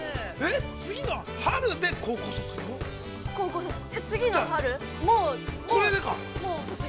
次の春で高校卒業？◆